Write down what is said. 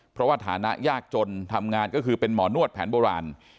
เพราะว่าฐานะยากจนทำงานก็คือเป็นหมอนวดแผนโบราณ